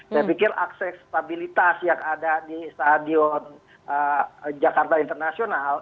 saya pikir akses stabilitas yang ada di stadion jakarta internasional